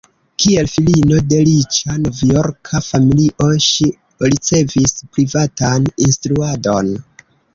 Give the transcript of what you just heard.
Kiel filino de riĉa Novjorka familio, ŝi ricevis privatan instruadon.